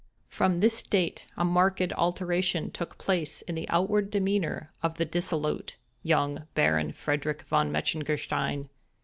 From this date a marked alteration took place in the outward demeanor of the dissolute young Baron Frederick Von Metzengerstein.